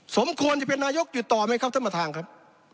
สมควรจะเป็นนายกอยู่ต่อไหมครับท่านประธานครับ